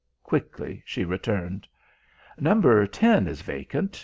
Quickly she returned. "Number ten is vacant.